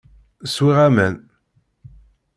Swiɣ aman.